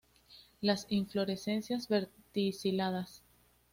Las inflorescencias verticiladas.